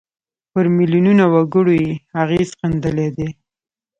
پر میلیونونو وګړو یې اغېز ښندلی دی.